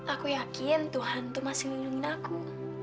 aku yakin tuhan tuh masih nguyungin aku